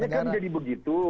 kesannya kan jadi begitu